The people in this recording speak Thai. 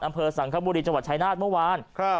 อำเภอสังคบุรีจังหวัดชายนาฏเมื่อวาน